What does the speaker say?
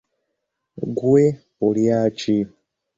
Gwe olya ki?